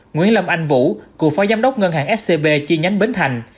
nguyễn lâm anh vũ cựu phó giám đốc ngân hàng scb chi nhánh bến thành